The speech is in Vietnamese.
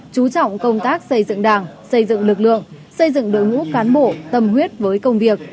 chú trọng công tác xây dựng đảng xây dựng lực lượng xây dựng đội ngũ cán bộ tâm huyết với công việc